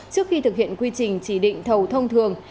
trước khi thực hiện quy trình chỉ định thầu thông thường